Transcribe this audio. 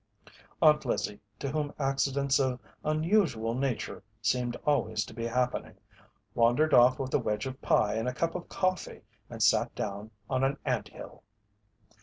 Aunt Lizzie, to whom accidents of an unusual nature seemed always to be happening, wandered off with a wedge of pie and a cup of coffee and sat down on an ant hill.